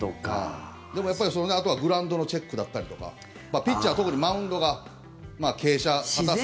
あとはグラウンドのチェックだったりとかピッチャーは特にマウンドが傾斜、硬さ。